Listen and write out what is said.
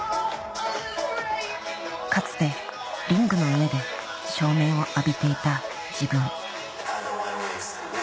かつてリングの上で照明を浴びていた自分